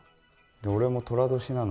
俺も寅年なの。